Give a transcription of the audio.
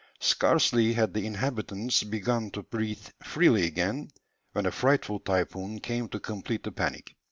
Scarcely had the inhabitants begun to breathe freely again, when a frightful typhoon came to complete the panic.